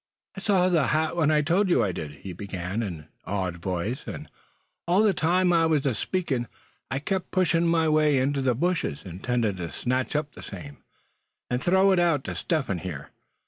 "I saw the hat when I told you I did," he began, in an awed voice; "and all the time I was aspeakin' I kept pushin' my way into the brush, intendin' to snatch up the same, and throw it out to Step Hen here.